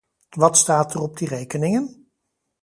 Wat staat er op die rekeningen?